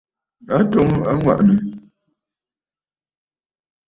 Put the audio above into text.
A twoŋǝ aŋwà'ànǝ̀.